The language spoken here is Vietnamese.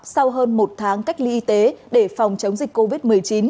sau hơn một tháng cách ly y tế để phòng chống dịch covid một mươi chín